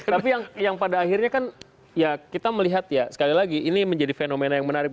tapi yang pada akhirnya kan ya kita melihat ya sekali lagi ini menjadi fenomena yang menarik